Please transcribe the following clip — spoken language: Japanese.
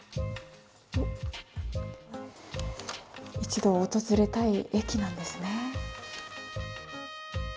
一度訪れたい駅なんですね。